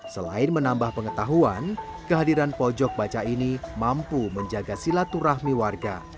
selain menambah pengetahuan kehadiran pojok baca ini mampu menjaga silaturahmi warga